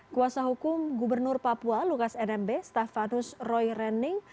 kuasa hukum gubernur papua lukas nmb stefanus roy renning